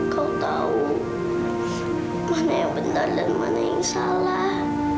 kau tahu mana yang benar dan mana yang salah